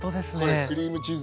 クリームチーズ